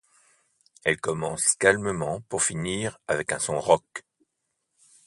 Elle commence calmement pour finir avec un son rock.